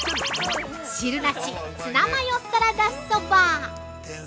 汁なしツナマヨサラダそば